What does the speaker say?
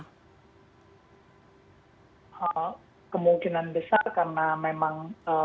kemungkinan besar karena memang